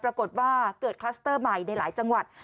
ปรากฏว่าเกิดคลัสเตอร์ใหม่ในหลายจังหวัด